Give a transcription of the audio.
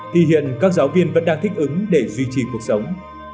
thì hiện các giáo viên vẫn đang thích ứng để duy trì cuộc sống